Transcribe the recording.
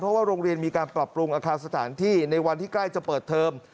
เพราะว่าโรงเรียนมีการปรับปรุงอาคารสถานที่ในวันที่ใกล้จะเปิดเทอม